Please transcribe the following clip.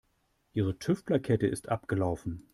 Ihre TÜV-Plakette ist abgelaufen.